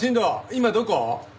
今どこ？